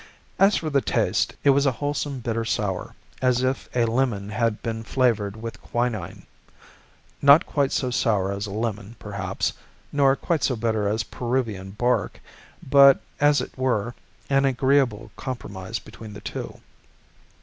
As for the taste, it was a wholesome bitter sour, as if a lemon had been flavored with quinine; not quite so sour as a lemon, perhaps, nor quite so bitter as Peruvian bark, but, as it were, an agreeable compromise between the two.